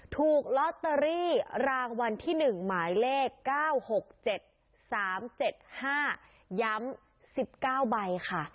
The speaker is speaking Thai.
ถูกลอตเตอรี่รางวัลที่๑หมายเลข๙๖๗๓๗๕ย้ำ๑๙ใบค่ะ